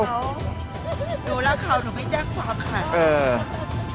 หนูรักเขาหนูไม่แจ้งความค่ะ